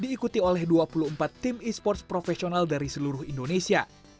diikuti oleh dua puluh empat tim e sports profesional dari seluruh indonesia